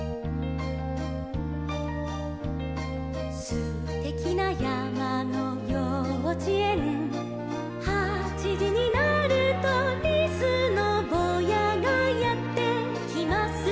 「すてきなやまのようちえん」「はちじになると」「リスのぼうやがやってきます」